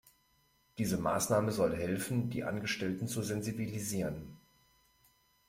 Diese Maßnahme soll helfen, die Angestellten zu sensibilisieren.